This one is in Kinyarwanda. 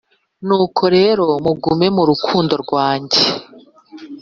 Nuko rero mugume mu rukundo rwanjye.